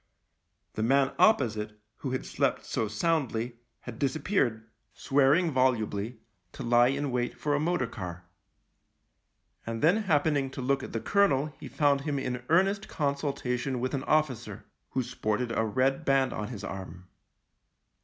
The man opposite, who had slept so soundly, had disap peared, swearing volubly, to lie in wait for a motor car. And then happening to look at the colonel he found him in earnest con sultation with an officer, who sported a red band on his arm.